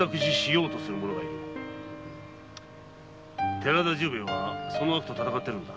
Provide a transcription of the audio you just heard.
寺田重兵衛はその悪と闘っているのだ。